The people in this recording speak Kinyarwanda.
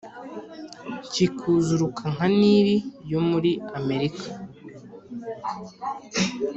kikuzuruka nka Nili yo muri amerika